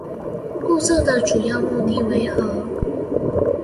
步驟的主要目的為何？